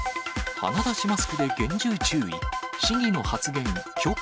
鼻出しマスクで厳重注意。